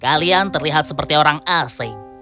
kalian terlihat seperti orang asing